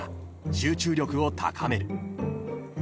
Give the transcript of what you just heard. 集中力を高める］